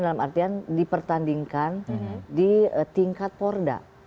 dalam artian dipertandingkan di tingkat porda